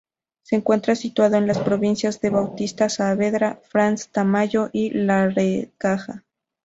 Se encuentra situado en las provincias de Bautista Saavedra, Franz Tamayo y Larecaja.